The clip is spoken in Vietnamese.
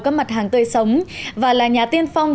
các mặt hàng tươi sống và là nhà tiên phong